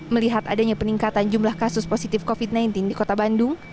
melihat adanya peningkatan jumlah kasus positif covid sembilan belas di kota bandung